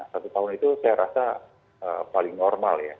satu tahun itu saya rasa paling normal ya